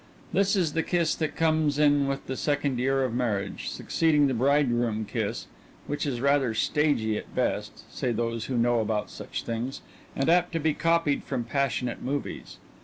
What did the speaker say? This is the kiss that comes in with the second year of marriage, succeeding the bridegroom kiss (which is rather stagey at best, say those who know about such things, and apt to be copied from passionate movies).